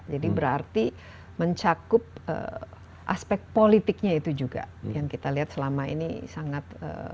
jadi berarti mencakup aspek politiknya itu juga yang kita lihat selama ini sangat